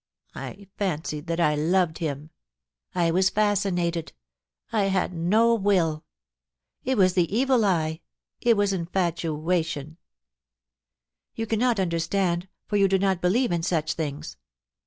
... I fancied that I loved him ; 1 was fascinated ; 1 had no will It was the evil eye — it was infatuatioa You cannot understand, for you do not believe in such things